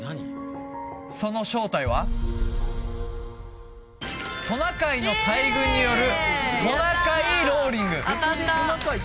その正体はトナカイの大群によるトナカイローリング